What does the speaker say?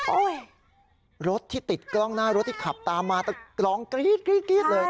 โอ้ยรถที่ติดกล้องหน้ารถที่ขับตามมาตั้งลองกรี๊ดเลย